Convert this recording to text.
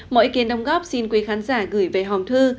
mọi ý kiến đồng góp xin quý khán giả gửi về hòm thư